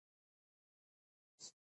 د افغانستان په منظره کې جلګه ښکاره ده.